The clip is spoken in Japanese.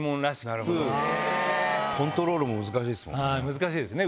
難しいですね